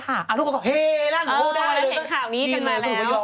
เห็นข่าวนี้จังมาแล้ว